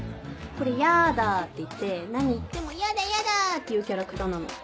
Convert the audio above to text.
これ「やーだー」っていって何言っても「やだやだ」って言うキャラクターなの。